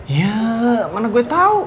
ya mana gue tau